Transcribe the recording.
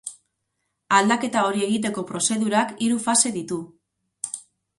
Aldaketa hori egiteko prozedurak hiru fase ditu.